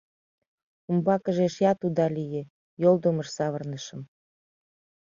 — Умбакыже эшеат уда лие — йолдымыш савырнышым...